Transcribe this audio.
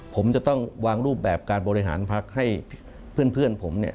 ผมจะต้องวางรูปแบบการบริหารพักให้เพื่อนผมเนี่ย